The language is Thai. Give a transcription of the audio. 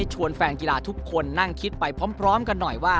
ชวนแฟนกีฬาทุกคนนั่งคิดไปพร้อมกันหน่อยว่า